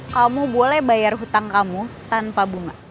kamu boleh bayar hutang kamu tanpa bunga